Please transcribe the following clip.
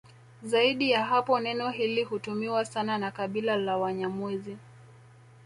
Zaidi ya hapo neno hili hutumiwa sana na kabila la Wanyamwezi